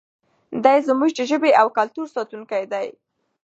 دی زموږ د ژبې او کلتور ساتونکی دی.